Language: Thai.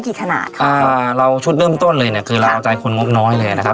ขนาดครับอ่าเราชุดเริ่มต้นเลยเนี้ยคือเราเอาใจคนงบน้อยเลยนะครับ